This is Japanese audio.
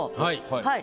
はい。